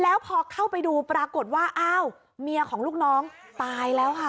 แล้วพอเข้าไปดูปรากฏว่าอ้าวเมียของลูกน้องตายแล้วค่ะ